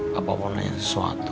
papa mau nanya sesuatu